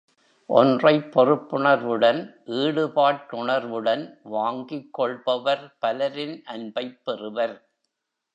ஒன்றைப் பொறுப்புணர்வுடன் ஈடுபாட்டுணர்வுடனும் வாங்கிக் கொள்பவர் பலரின் அன்பைப் பெறுவர்.